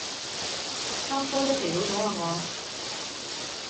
三科都肥佬咗啊我